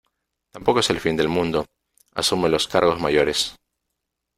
tampoco es el fin del mundo . asume los cargos mayores .